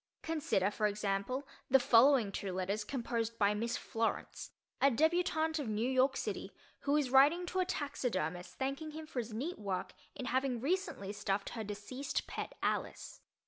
Consider, for example, the following two letters composed by Miss Florence ......, a debutante of New York City, who is writing to a taxidermist thanking him for his neat work in having recently stuffed her deceased pet Alice.